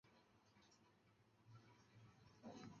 东汉侍中。